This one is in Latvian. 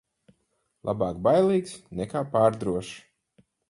Labāk bailīgs nekā pārdrošs.